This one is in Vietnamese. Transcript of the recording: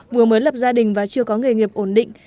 vừa mới lập gia đình và chưa có nghề nghiệp ổn định